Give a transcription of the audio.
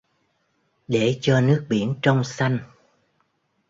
Để cho nước biển trong xanh